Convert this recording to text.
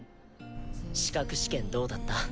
資格試験どうだった？